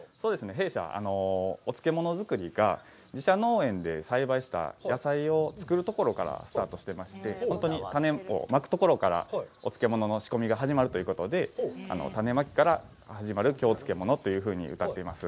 弊社、お漬物作りが自社農園で栽培した野菜を作るところからスタートしていまして、本当に種をまくところからお漬物の仕込みがということで、種まきから始まる京漬物というふうにうたっています。